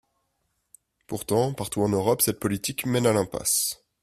Pourtant, partout en Europe, cette politique mène à l’impasse.